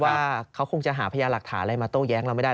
ว่าเขาคงจะหาพยานหลักฐานอะไรมาโต้แย้งเราไม่ได้